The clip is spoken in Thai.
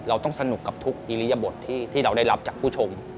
เราต้องสนุกกับทุกอิริยบทที่เราได้รับจากผู้ชม